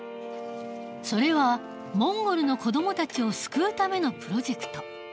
それはモンゴルの子どもたちを救うためのプロジェクト。